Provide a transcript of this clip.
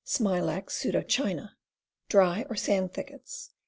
Smilax Pseudo China. Dry or sandy thickets.